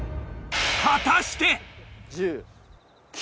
果たして！？